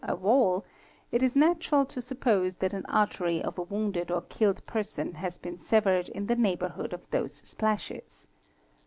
a wall, it is natural to suppose that an artery of a wounded or killed person has been severed in the neighbourhood of those splashes.